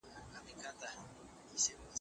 هوښیار